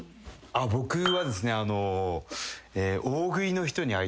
僕はですね。